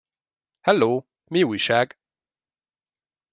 Helló, mi újság?